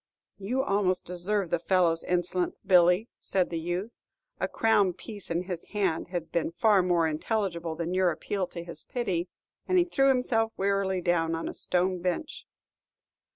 "You almost deserve the fellow's insolence, Billy," said the youth; "a crown piece in his hand had been far more intelligible than your appeal to his pity." And he threw himself wearily down on a stone bench.